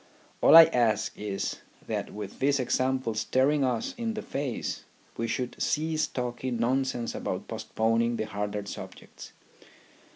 All I ask is that with this example staring us in the face we should cease talking nonsense about postponing the harder subjects.